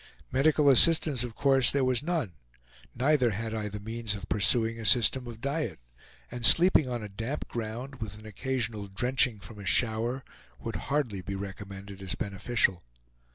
Medical assistance of course there was none; neither had I the means of pursuing a system of diet; and sleeping on a damp ground, with an occasional drenching from a shower, would hardly be recommended as beneficial.